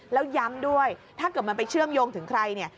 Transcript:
แล้วย้ำด้วยถ้าเกิดมันไปเชื่อมโยงถึงใครเนี่ย